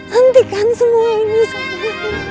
hentikan semua ini sama aku